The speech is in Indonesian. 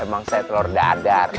emang saya telur dadar